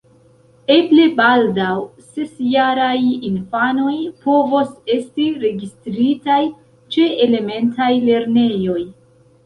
Eble baldaŭ ses-jaraj infanoj povos esti registritaj ĉe elementaj lernejoj.